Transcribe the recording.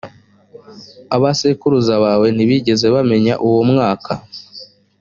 abasokuruza bawe ntibigeze bamenya uwo mwaka.